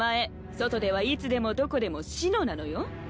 ・外ではいつでもどこでも紫乃なのよ。